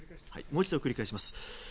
もう一度繰り返します。